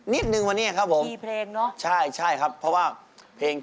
นิดหนึ่งวันนี้ครับผมใช่ครับเพราะว่าคีย์เพลงเนอะ